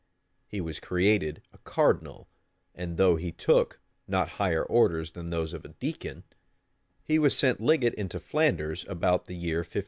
He was created a cardinal; and though he took not higher orders than those of a deacon, he was sent legate into Flanders about the year 1536.